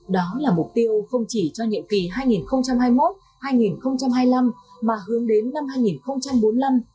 đó là mục tiêu không chỉ cho nhiệm kỳ hai nghìn hai mươi một hai nghìn hai mươi năm mà hướng đến năm hai nghìn bốn mươi năm